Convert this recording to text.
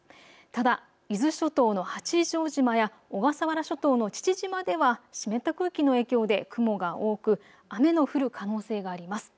ただ伊豆諸島の八丈島や小笠原諸島の父島では湿った空気の影響で雲が多く雨の降る可能性があります。